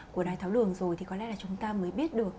của đài tháo đường rồi thì có lẽ là chúng ta mới biết được